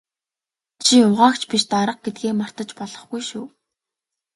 Чи угаагч биш дарга гэдгээ мартаж болохгүй шүү.